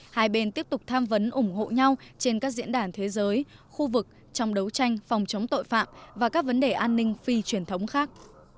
hai bên tiếp tục tham vấn ủng hộ nhau trên các diễn đàn thế giới khu vực trong đấu tranh phòng chống tội phạm và các vấn đề an ninh phi truyền thống khác